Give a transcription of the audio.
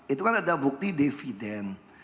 itu kan ada bukti dividen